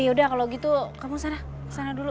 ya udah kalau gitu kamu ke sana dulu